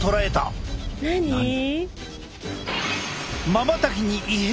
まばたきに異変？